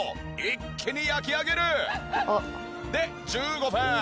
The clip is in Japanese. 一気に焼き上げる！で１５分。